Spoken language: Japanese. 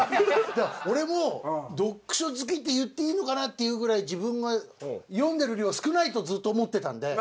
だから俺も読書好きって言っていいのかなっていうぐらい自分が読んでる量は少ないとずっと思ってたんで。